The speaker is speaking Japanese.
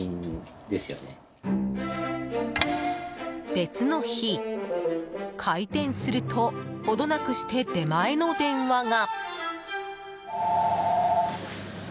別の日、開店すると程なくして出前の電話が。